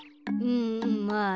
うんまあ